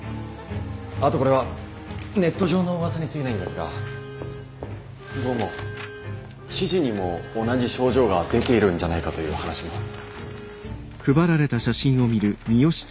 あとこれはネット上のうわさにすぎないんですがどうも知事にも同じ症状が出ているんじゃないかという話も。